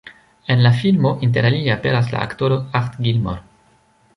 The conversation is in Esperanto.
En la filmo interalie aperas la aktoro Art Gilmore.